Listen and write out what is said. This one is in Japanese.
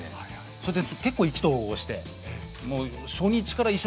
それで結構意気投合してもう初日から一緒に帰ったよね。